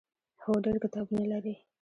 هو، ډیر کتابونه لري